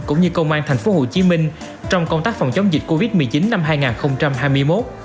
cũng như công an thành phố hồ chí minh trong công tác phòng chống dịch covid một mươi chín năm hai nghìn hai mươi một